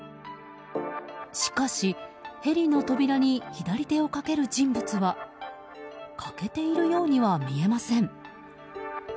しかしヘリの扉に左手をかける人物は欠けているようには見えません。